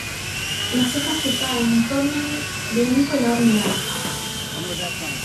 Las hojas que caen tornan de un color naranja.